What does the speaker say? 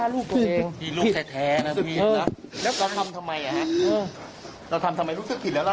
แล้วเจ้าติดยาไม่รอ้อมกินเล่าไหม